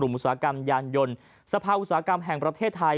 อุตสาหกรรมยานยนต์สภาอุตสาหกรรมแห่งประเทศไทย